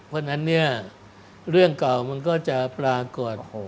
เพราะนั้นเรื่องเก่ามันก็จะปรากฎ